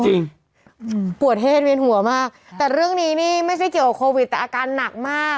อืมปวดเหตุเวียนหัวมากแต่เรื่องนี้นี่ไม่ใช่เกี่ยวกับโควิดแต่อาการหนักมาก